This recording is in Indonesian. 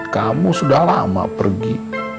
kamu sudah lama pergi